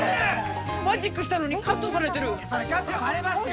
マジックしたのにカットされてるそりゃカットされますよ